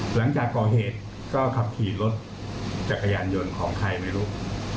หลังจากก่อเหตุก็ขับขี่รถจักรยานยนต์ของใครไม่รู้